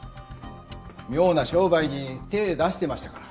妙な商売に手ぇ出してましたから。